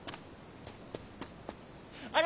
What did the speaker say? あれ！